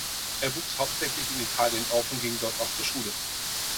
Er wuchs hauptsächlich in Italien auf und ging dort auch zur Schule.